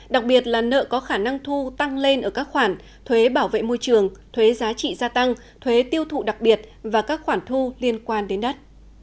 đặc biệt là nợ có khả năng thu tăng lên ở các khoản thuế bảo vệ môi trường thuế giá trị gia tăng thuế tiêu thụ đặc biệt và các khoản thu liên quan đến đất